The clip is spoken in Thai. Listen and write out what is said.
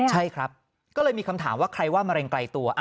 ใช่ครับก็เลยมีคำถามว่าใครว่ามะเร็งไกลตัว